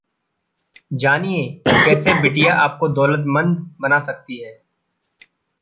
जानिए कैसे बिटिया आपको दौलतमंद बना सकती है...